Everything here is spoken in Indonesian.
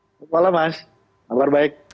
selamat malam mas apa kabar baik